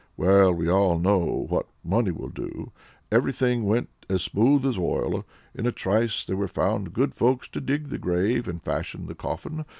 Well, we all know what money will do everything went as smooth as oil! In a trice there were found good folks to dig the grave and fashion the coffin.